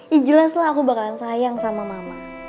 ya jelas lah aku bakalan sayang sama mama